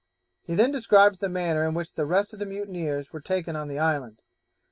He then describes the manner in which the rest of the mutineers were taken on the island.